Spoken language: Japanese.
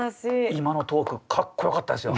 今のトークかっこよかったですよ。